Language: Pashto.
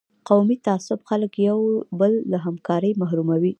قومي تعصب خلک د یو بل له همکارۍ محروموي.